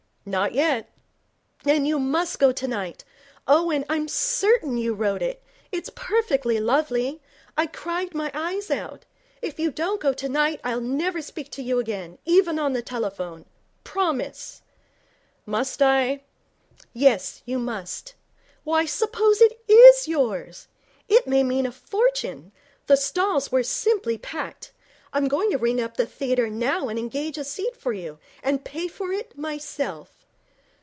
'Not yet.' 'Then you must go tonight. Owen, I'm certain you wrote it. It's perfectly lovely. I cried my eyes out. If you don't go tonight, I'll never speak to you again, even on the telephone. Promise.' 'Must I?' 'Yes, you must. Why, suppose it is yours! It may mean a fortune. The stalls were simply packed. I'm going to ring up the theatre now and engage a seat for you, and pay for it myself.'